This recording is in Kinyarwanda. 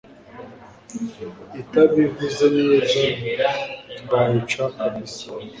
itabivuze neza twayica kabisa